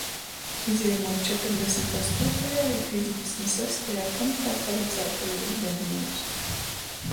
Izjamūt četrdesmit ostoitajā i pīcdesmit sastajā pantā paradzātajūs gadīņūs.